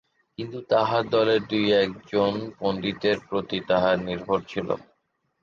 কিন্তু তাঁহার দলের দুই-এক জন পণ্ডিতের প্রতি তাঁহার নির্ভর ছিল।